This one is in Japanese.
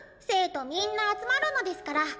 生徒みんな集まるのですから。